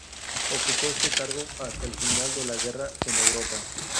Ocupó este cargo hasta el final de la guerra en Europa.